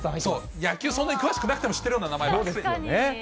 野球、そんなに詳しくなくても知ってる名前。